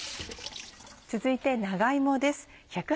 続いて長芋です。